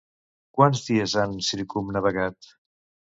Quants dies han circumnavegat?